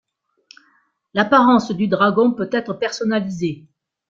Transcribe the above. L'apparence du dragon peut être personnalisée.